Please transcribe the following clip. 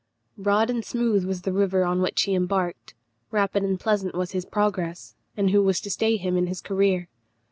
Broad and smooth was the river on which he embarked; rapid and pleasant was his progress; and who was to stay him in his career?